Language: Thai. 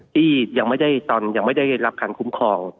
ที่ยังไม่ได้รับการคุ้มครอง